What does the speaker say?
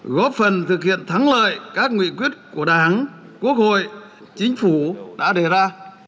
góp phần thực hiện thắng lợi các nguyện quyết của đảng quốc hội chính phủ đã đề ra